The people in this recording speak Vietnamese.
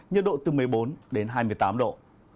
nhiệt độ từ một mươi bốn đến hai mươi tám độ